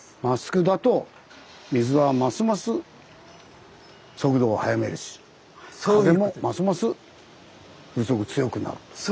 まっすぐだと水はますます速度を速めるし風もますます風速強くなると。